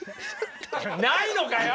ないのかよ！